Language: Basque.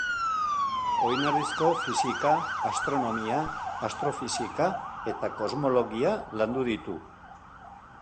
Oinarrizko fisika, astronomia, astrofisika eta kosmologia landu ditu.